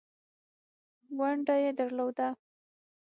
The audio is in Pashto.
ونډه یې درلوده.